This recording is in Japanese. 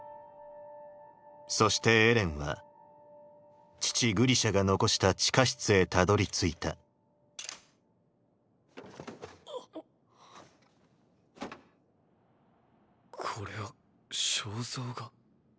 そしてエレンは父グリシャが残した地下室へたどりついたこれは肖像画？